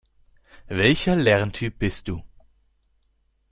Welcher Lerntyp bist du?